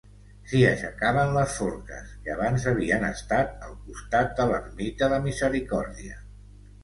S'hi aixecaven les forques, que abans havien estat al costat de l'ermita de Misericòrdia.